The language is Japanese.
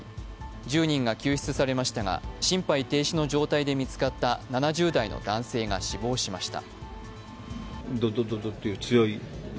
１０人が救出されましたが、心肺停止の状態で見つかった７０代の男性が死亡しました。